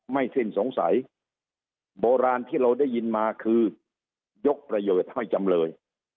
สิ้นสงสัยโบราณที่เราได้ยินมาคือยกประโยชน์ให้จำเลย